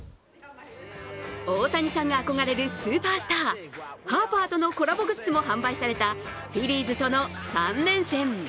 大谷さんが憧れるスーパースター、ハーパーとのコラボグッズも販売されたフィリーズとの３連戦。